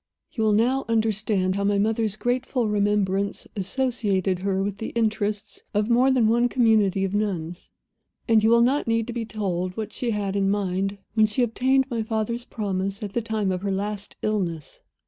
"You will now understand how my mother's grateful remembrance associated her with the interests of more than one community of Nuns; and you will not need to be told what she had in mind when she obtained my father's promise at the time of her last illness.